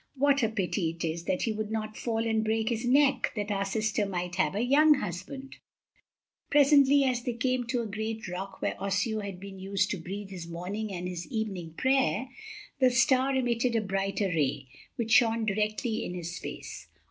What a pity it is that he would not fall and break his neck, that our sister might have a young husband." Presently as they came to a great rock where Osseo had been used to breathe his morning and his evening prayer, the star emitted a brighter ray, which shone directly in his face.